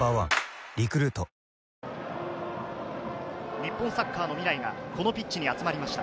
日本サッカーの未来が、このピッチに集まりました。